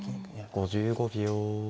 ５５秒。